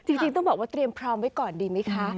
จริงต้องบอกว่าเตรียมพร้อมไว้ก่อนดีไหมคะ